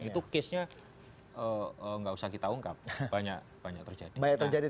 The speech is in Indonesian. itu case nya nggak usah kita ungkap banyak banyak terjadi